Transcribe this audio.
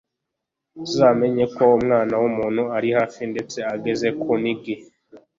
muzamenye ko Umwana w'umuntu ari hafi ndetse ageze ku nigi.